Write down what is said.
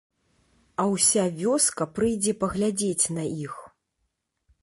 А ўся вёска прыйдзе паглядзець на іх.